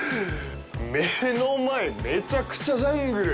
目の前、めちゃくちゃジャングル。